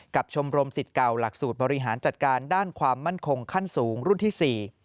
ชมรมสิทธิ์เก่าหลักสูตรบริหารจัดการด้านความมั่นคงขั้นสูงรุ่นที่๔